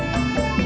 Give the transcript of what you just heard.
gak ada apa apa